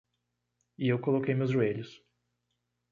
E eu coloquei meus joelhos.